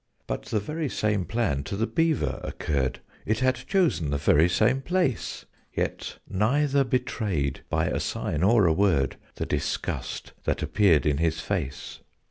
But the very same plan to the Beaver occurred: It had chosen the very same place: Yet neither betrayed, by a sign or a word, The disgust that appeared in his face.